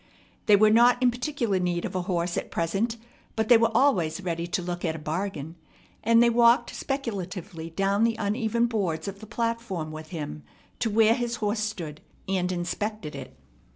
They were not in particular need of a horse at present; but they were always ready to look at a bargain, and they walked speculatively down the uneven boards of the platform with him to where his horse stood, and inspected it.